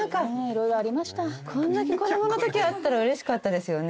こんだけ子供のときあったらうれしかったですよね。